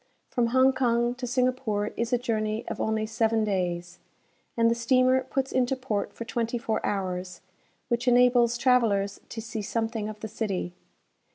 From Hong Kong to Singapore is a journey of only seven days, and the steamer puts into port for twenty four hours, which enables travellers to see something of the city.